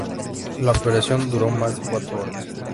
La operación duró más de cuatro horas.